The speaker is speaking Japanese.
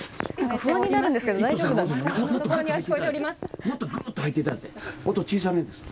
不安になるんですけど大丈夫なんですか。